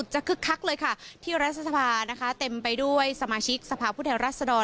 คึกคักเลยค่ะที่รัฐสภานะคะเต็มไปด้วยสมาชิกสภาพผู้แทนรัศดร